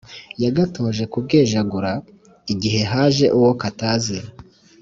Yagatoje kubwejaura igihe haje uwo katazi